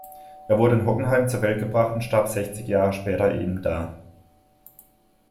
Er wurde in Hockenheim zur Welt gebracht und starb sechzig Jahre später ebenda.